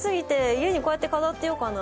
家にこうやって飾ってようかな。